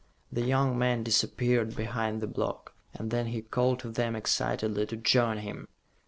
The young man disappeared behind the block, and then he called to them excitedly to join him.